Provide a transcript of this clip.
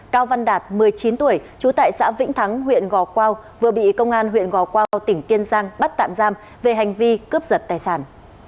cao văn đạt một mươi chín tuổi trú tại xã vĩnh thắng huyện gò quao vừa bị công an huyện gò quao tỉnh kiên giang bắt tạm giam về hành vi cướp giật tài sản